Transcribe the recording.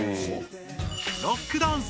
ロックダンス。